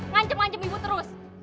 ngancam ngancam ibu terus